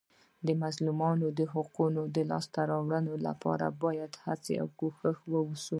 د مظلومانو د حقوقو د لاسته راوړلو لپاره باید هڅه او کوښښ وسي.